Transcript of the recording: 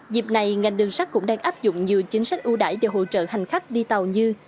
dịp này ngành đường sắt cũng đang áp dụng nhiều chính sách ưu đại để hỗ trợ hành khách đi tàu như